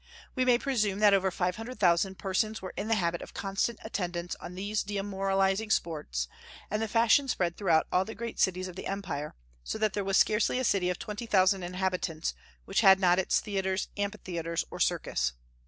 We may presume that over five hundred thousand persons were in the habit of constant attendance on these demoralizing sports; and the fashion spread throughout all the great cities of the empire, so that there was scarcely a city of twenty thousand inhabitants which had not its theatres, amphitheatres, or circus.